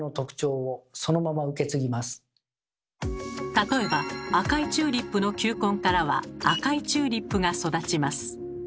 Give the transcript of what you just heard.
例えば赤いチューリップの球根からは赤いチューリップが育ちます。